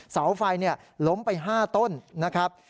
เสาไฟล้มไป๕ต้นนะครับ